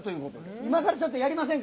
今からちょっとやりませんか。